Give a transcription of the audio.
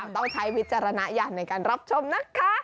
ต้องใช้วิจารณญาณในการรับชมนะคะ